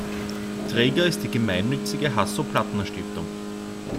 Träger ist die gemeinnützige "Hasso-Plattner-Stiftung".